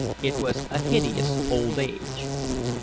It was a hideous old age.